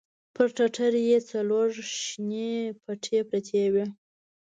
پر ټټر يې څلور شنې پټې پرتې وې.